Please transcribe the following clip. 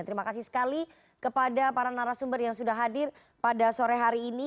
terima kasih sekali kepada para narasumber yang sudah hadir pada sore hari ini